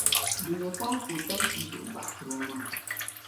bɛ nya kpaŋ ka o tam tii zuɣu gbaɣtir’ omaŋa.